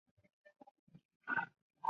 圣昂德雷德罗科龙格人口变化图示